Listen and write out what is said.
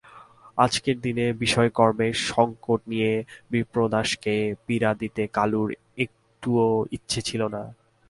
আজকের দিনে বিষয়কর্মের সংকট নিয়ে বিপ্রদাসকে পীড়া দিতে কালুর একটুও ইচ্ছে ছিল না।